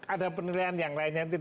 ada penilaian yang lainnya